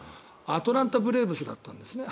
アトランタ・ブレーブスだったんですね。